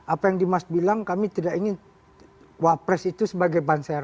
apa yang dimas bilang kami tidak ingin wapres itu sebagai banser